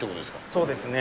そうですね。